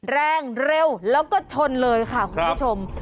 แรงเร็วแล้วก็ชนเลยค่ะคุณผู้ชม